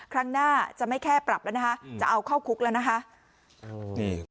ครั้งหน้าจะไม่แค่ปรับแล้วนะคะจะเอาเข้าคุกแล้วนะคะ